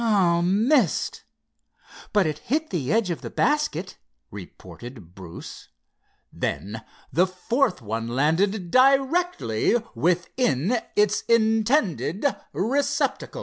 "Ah—missed! but it hit the edge of the basket," reported Bruce. Then the fourth one landed directly within its intended receptacle.